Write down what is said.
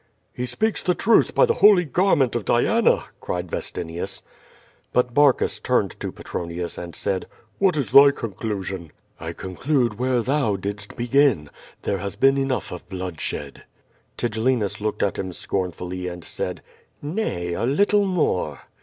"He speaks the truth," by the holy garment of Diana!" cried Vestinius. But Barcus turned to Petronius, and said: "What is thy conclusion?" "I conclude where thou didst begin, there has been enough of bloodshed. Tigellinus looked at him scornfully, and said: "Nay, a lit tle more."